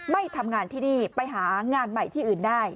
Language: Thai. ไม่ทำงานที่นี่ไปหางานใหม่ที่อื่นได้